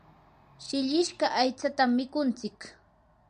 shillishqa aytsatam mikuntsik.